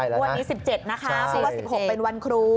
วันนี้สิบเจ็ดนะคะเพราะว่าสิบหกเป็นวันครู